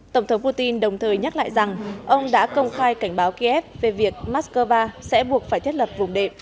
tổng thống putin đồng thời nhắc lại rằng ông đã công khai cảnh báo kiev về việc moscow sẽ buộc phải thiết lập vùng đệm